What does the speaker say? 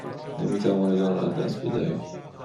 نمی توانید آن را از دست بدهید.